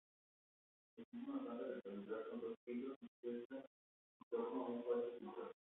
Presenta una planta rectangular con dos pisos, dispuesta en torno a un patio central.